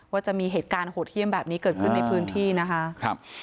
ว่าจะมีเหตุการณ์โหดเยี่ยมแบบนี้เกิดขึ้นในพื้นที่นะคะ